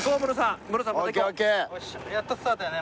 やっとスタートだね。